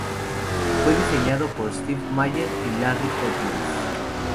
Fue diseñado por Steve Mayer y Larry Emmons.